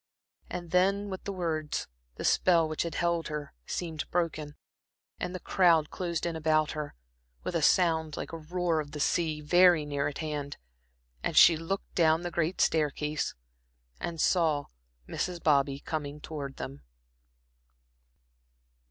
And then with the words the spell which held her seemed broken, and the crowd closed in about her, with a sound like the roar of the sea very near at hand, and she looked down the great staircase, and saw Mrs. Bobby coming towards them.